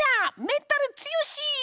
メンタル強し！